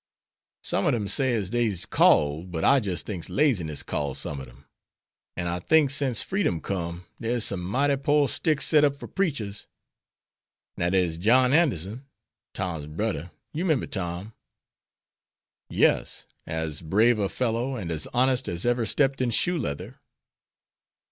Some ob dem says dey's called, but I jis' thinks laziness called some ob dem. An' I thinks since freedom come deres some mighty pore sticks set up for preachers. Now dere's John Anderson, Tom's brudder; you 'member Tom." "Yes; as brave a fellow and as honest as ever stepped in shoe leather."